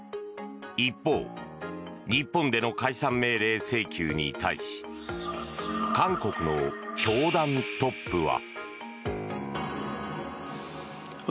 一方日本での解散命令請求に対し韓国の教団トップは。